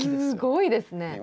すごいですね。